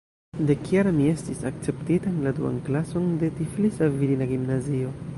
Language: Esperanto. Dekjara mi estis akceptita en la duan klason de Tiflisa virina gimnazio.